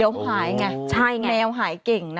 แมวหายเก่งนะ